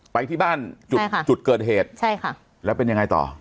ไปที่บ้านจุดจุดเกิดเหตุใช่ค่ะแล้วเป็นยังไงต่อ